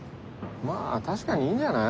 まぁ確かにいいんじゃない？